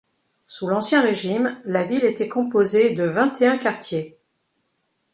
Sous l’Ancien Régime, la ville était composée de vingt et un quartiers.